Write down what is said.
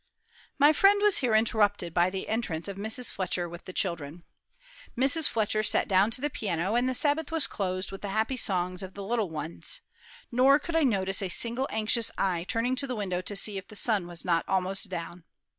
My friend was here interrupted by the entrance of Mrs. Fletcher with the children. Mrs. Fletcher sat down to the piano, and the Sabbath was closed with the happy songs of the little ones; nor could I notice a single anxious eye turning to the window to see if the sun was not almost down.